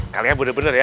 kalian bener bener ya